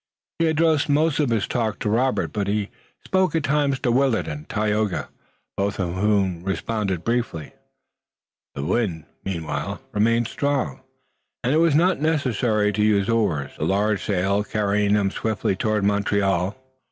He addressed most of his talk to Robert, but he spoke at times to Willet and Tayoga, both of whom responded briefly. The wind meanwhile remained strong, and it was not necessary to use the oars, the large sail carrying them swiftly toward Montreal.